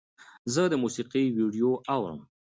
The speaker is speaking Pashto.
زه د موسیقۍ ویډیو اورم.